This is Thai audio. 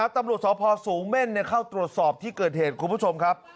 ตำรวจสพสูงเม่นเข้าตรวจสอบที่เกิดเหตุคุณผู้ชมครับ